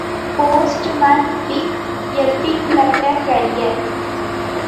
Postman Pig: a pig letter carrier.